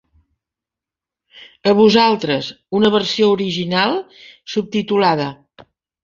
A vosaltres, una versió original subtitulada.